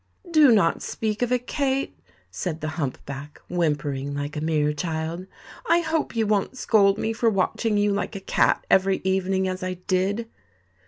"Do not speak of it, Kate," said the hump back, whimpering like a mere child. "I hope you won't scold me for watching you like a cat every evening as I did."